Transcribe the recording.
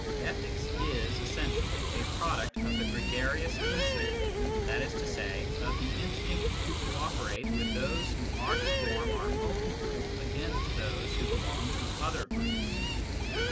Ethics is essentially a product of the gregarious instinct, that is to say, of the instinct to co operate with those who are to form our own group against those who belong to other groups.